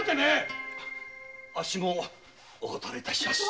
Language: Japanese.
あっしもお断りします。